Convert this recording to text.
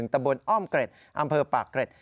ตำบลอ้อมเกร็ดอำเภอปากเกร็ด